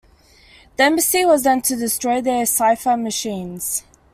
The embassy was then to destroy their cipher machines.